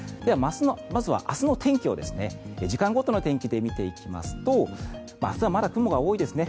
まずは明日の天気を時間ごとの天気で見ていきますと明日はまだ雲が多いですね。